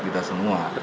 tentu kita semua